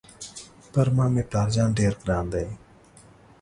پر ما مې پلار جان ډېر ګران دی.